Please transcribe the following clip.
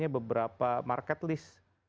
beberapa market list